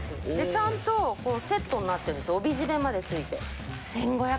ちゃんとセットになってるんです、帯締めまで付いて。